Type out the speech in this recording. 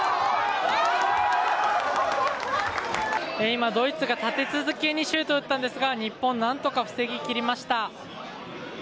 今、ドイツが立て続けにシュートを打ったんですが日本、何とか防ぎ切りました。